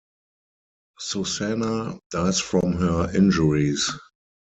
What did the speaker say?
Susana dies from her injuries.